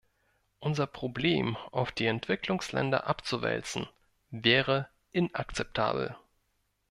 Unser Problem auf die Entwicklungsländer abzuwälzen, wäre inakzeptabel.